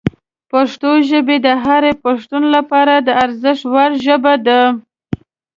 پښتو ژبه د هر پښتون لپاره د ارزښت وړ ژبه ده.